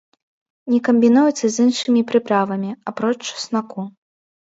Не камбінуецца з іншымі прыправамі, апроч часнаку.